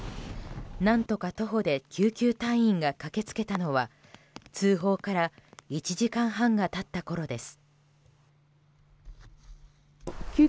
何とか徒歩で救急隊員が駆け付けたのは通報から１時間半が経ったころです。